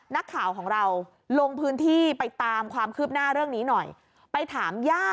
นักข่าวของเราลงพื้นที่ไปตามความคืบหน้าเรื่องนี้หน่อยไปถามย่า